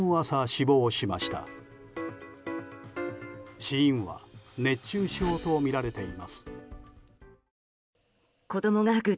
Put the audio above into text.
死因は熱中症とみられています。